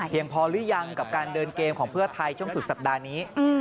ยังพอหรือยังกับการเดินเกมของเพื่อไทยช่วงสุดสัปดาห์นี้